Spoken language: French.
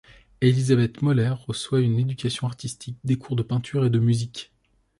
Elisabeth Moller reçoit une éducation artistique, des cours de peinture et de musique.